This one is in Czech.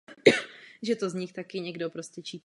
Právě o tom jsem se ve svém projevu zmínila.